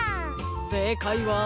せいかいは。